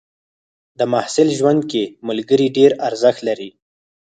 د محصل ژوند کې ملګري ډېر ارزښت لري.